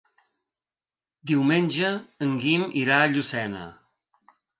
Diumenge en Guim irà a Llucena.